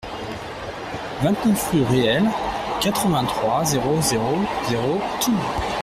vingt-neuf rue Réhel, quatre-vingt-trois, zéro zéro zéro, Toulon